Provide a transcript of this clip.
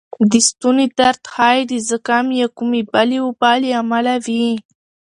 د ستونې درد ښایې د زکام یا کومې بلې وبا له امله وې